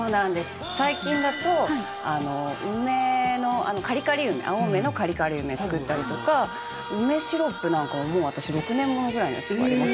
最近だとあの梅のカリカリ梅青梅のカリカリ梅作ったりとか梅シロップなんかはもう私６年物ぐらいなやつとかあります。